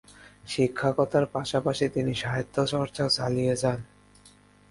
শিক্ষকতার পাশাপাশি তিনি সাহিত্যচর্চাও চালিয়ে যান।